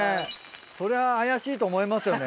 そりゃ怪しいと思いますよね